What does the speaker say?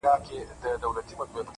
ه شعر كي دي زمـــا اوربــل دی،